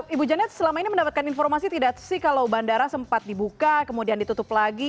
ibu janet selama ini mendapatkan informasi tidak sih kalau bandara sempat dibuka kemudian ditutup lagi